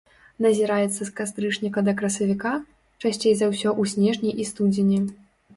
Назіраецца з кастрычніка да красавіка, часцей за ўсё ў снежні і студзені.